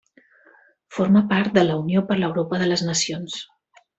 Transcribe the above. Forma part de la Unió per l'Europa de les Nacions.